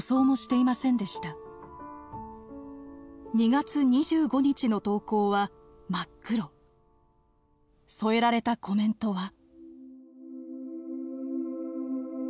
２月２５日の投稿は真っ黒。添えられたコメントは。